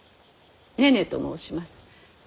寧々と申します。